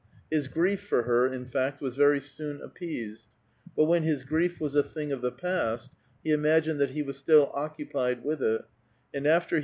His grief for her, in fact, was very f^n appeased ; but when his grief was a thing of the past, "^ imagined that he was still occupied with it ; and after he ®?